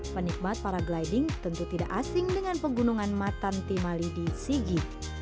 penikmat paragliding tentu tidak asing dengan penggunungan matanti mali di sigi